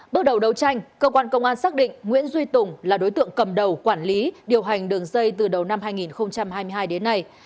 bước đầu đấu tranh cơ quan công an xác định nguyễn duy tùng là đối tượng cầm đầu quản lý điều hành đường dây từ đầu năm hai nghìn hai mươi hai đến nay